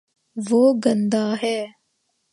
وہ گندا ہے